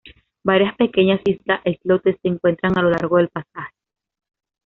Varias pequeñas islas e islotes se encuentran a lo largo del pasaje.